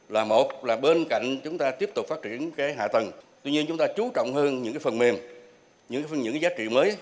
là một là bên cạnh chúng ta tiếp tục phát triển cái hạ tầng tuy nhiên chúng ta chú trọng hơn những phần mềm những giá trị mới